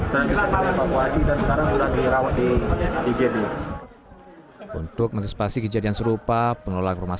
terima kasih dan sekarang sudah dirawat di igd untuk mengecepasi kejadian serupa penolakan rumah